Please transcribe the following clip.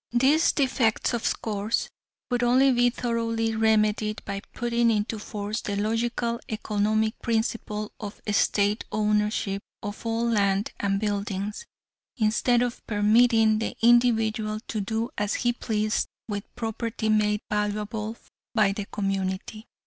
These defects, of course, could only be thoroughly remedied by putting into force the logical economic principle of State ownership of all land and buildings, instead of permitting the individual to do as he pleased with property made valuable by the community.